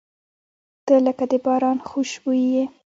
• ته لکه د باران خوشبويي یې.